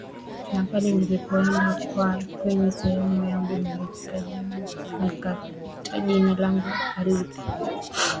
ni pale nilipoenda kwenye sehemu yangu niliojiandikishia nikakuta jina langu halipo